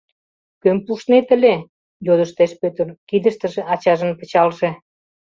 — Кӧм пуштнет ыле? — йодыштеш Пӧтыр, кидыштыже ачажын пычалже.